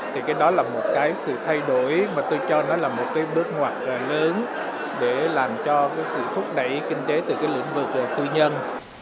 thì đó là một sự thay đổi mà tôi cho nó là một bước ngoặt lớn để làm cho sự thúc đẩy kinh tế từ lĩnh vực tư nhân